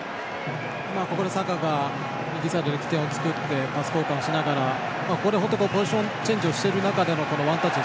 ここでサカが右サイドで起点を作ってパス交換しながらポジションチェンジをしている中ワンタッチ。